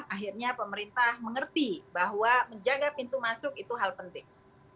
akhirnya pemerintah mengerti bahwa menjaga pintu masuk itu hal penting